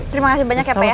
terima kasih banyak kepe ya